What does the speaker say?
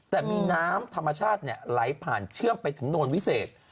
แต่มีน้ำธรรมชาติไหลผ่านเชื่อมไปถึงโนนวิเศษ